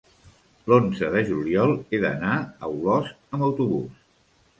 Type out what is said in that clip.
l'onze de juliol he d'anar a Olost amb autobús.